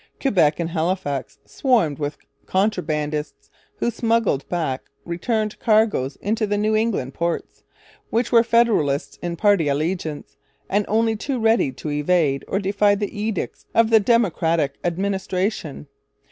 Quebec and Halifax swarmed with contrabandists, who smuggled back return cargoes into the New England ports, which were Federalist in party allegiance, and only too ready to evade or defy the edicts of the Democratic administration.